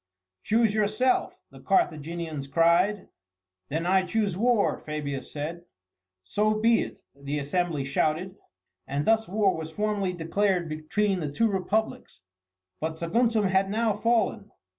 "Choose yourself," the Carthaginians cried. "Then I choose war," Fabius said. "So be it," the assembly shouted. And thus war was formally declared between the two Republics. But Saguntum had now fallen.